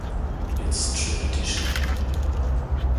It's tradition.